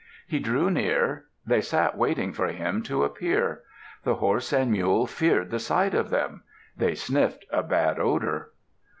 He drew near. They sat waiting for him to appear. The horse and mule feared the sight of them; they sniffed a bad odor.